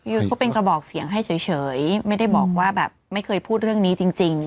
ก็เป็นกระบอกเสียงให้เฉยไม่ได้บอกว่าแบบไม่เคยพูดเรื่องนี้จริง